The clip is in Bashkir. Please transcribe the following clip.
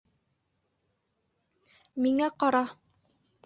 Миңә ҡара.